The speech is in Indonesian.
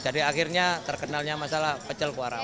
jadi akhirnya terkenalnya masalah pecel kuah rawon